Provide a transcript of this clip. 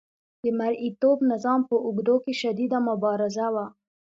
د مرئیتوب نظام په اوږدو کې شدیده مبارزه وه.